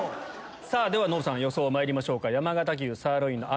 ではノブさん予想まいりましょうか。